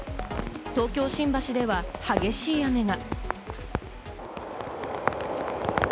東京・新橋では激しい雨が。